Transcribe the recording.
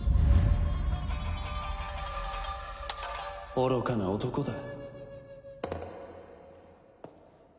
愚かな男だ。